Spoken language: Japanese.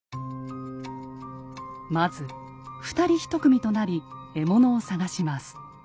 まず二人一組となり獲物を探します。